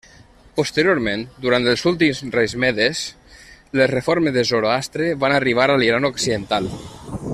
Posteriorment, durant els últims reis medes, les reformes de Zoroastre van arribar a l'Iran occidental.